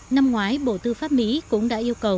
năm ngoái bộ tư pháp mỹ cũng đã yêu cầu